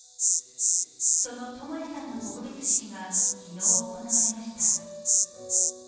その智也さんの告別式が昨日行われました。